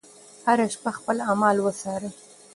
هره شپه خپل اعمال وڅارئ.